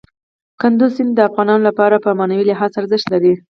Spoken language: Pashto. کندز سیند د افغانانو لپاره په معنوي لحاظ ارزښت لري.